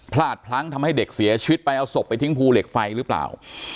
พลาดพลั้งทำให้เด็กเสียชีวิตไปเอาศพไปทิ้งภูเหล็กไฟหรือเปล่า